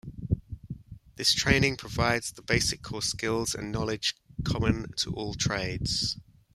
This training provides the basic core skills and knowledge common to all trades.